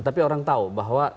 tapi orang tahu bahwa